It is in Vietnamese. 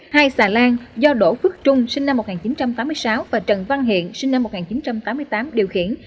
hai xà lan do đỗ phước trung sinh năm một nghìn chín trăm tám mươi sáu và trần văn hiện sinh năm một nghìn chín trăm tám mươi tám điều khiển